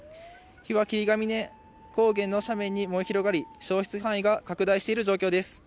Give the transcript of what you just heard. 火は霧ヶ峰高原の斜面に燃え広がり、焼失範囲が拡大している状況です。